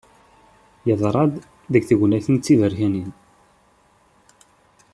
Yeḍra-d deg tegnatin d tiberkanin.